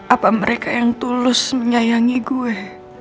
apa mereka yang tulus menyayangi gue